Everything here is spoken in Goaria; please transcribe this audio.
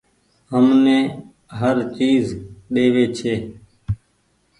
همني هر چئيز ۮيوي ڇي